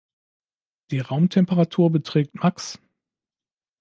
Die Raumtemperatur beträgt max.